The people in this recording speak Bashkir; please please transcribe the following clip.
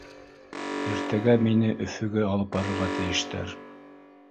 Иртәгә мине Өфөгә алып барырға тейештәр.